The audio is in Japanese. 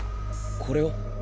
これは？